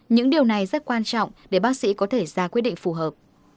những điều này rất quan trọng để bác sĩ có thể ra quyết định phù hợp